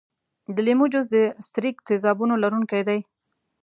د لیمو جوس د ستریک تیزابونو لرونکی دی.